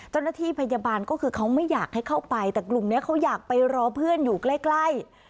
เจ้าหน้าที่พยาบาลก็คือเขาไม่อยากให้เข้าไปแต่กลุ่มนี้เขาอยากไปรอเพื่อนอยู่ใกล้